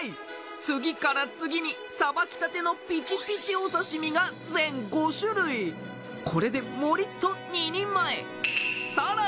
次から次にさばきたてのピチピチお刺身が全５種類これでもりっと２人前！